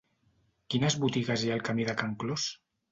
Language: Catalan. Quines botigues hi ha al camí de Can Clos?